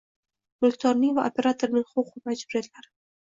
Mulkdorning va operatorning huquq va majburiyatlari